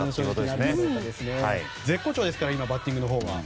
絶好調ですから今、バッティングのほうが。